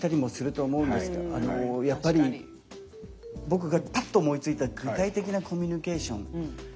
僕がぱっと思いついた具体的なコミュニケーション。